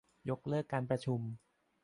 ยกเลิกการประชุม